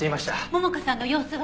桃香さんの様子は？